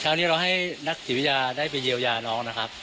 นี้เราให้นักจิตวิทยาได้ไปเยียวยาน้องนะครับ